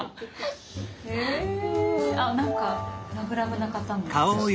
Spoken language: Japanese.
あっなんかラブラブな方も。